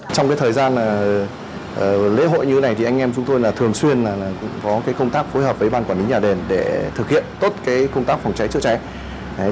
trong thời gian lễ hội như thế này thì anh em chúng tôi là thường xuyên có công tác phối hợp với ban quản lý nhà đền để thực hiện tốt công tác phòng cháy chữa cháy